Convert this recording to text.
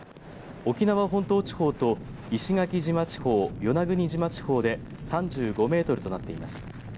沖縄本島地方と石垣島地方与那国島地方で３５メートルとなっています。